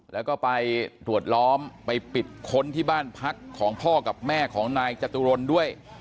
แล้วก็ไปตรวจล้อมไปปิดค้นที่บ้านพักของพ่อกับแม่ของนายจตุรนด้วย